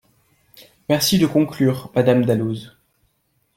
Merci de conclure, Madame Dalloz.